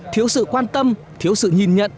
thiếu sự quan tâm thiếu sự nhìn nhận